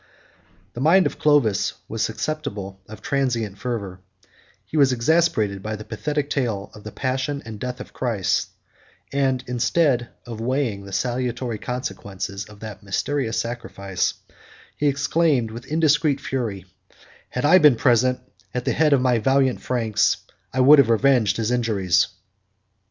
30 The mind of Clovis was susceptible of transient fervor: he was exasperated by the pathetic tale of the passion and death of Christ; and, instead of weighing the salutary consequences of that mysterious sacrifice, he exclaimed, with indiscreet fury, "Had I been present at the head of my valiant Franks, I would have revenged his injuries."